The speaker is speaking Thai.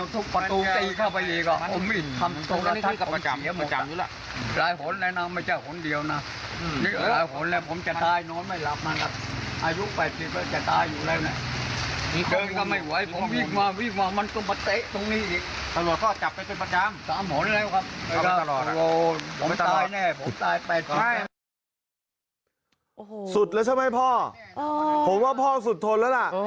สุดแล้วใช่ไหมพ่อผมว่าพ่อสุดทนแล้วล่ะ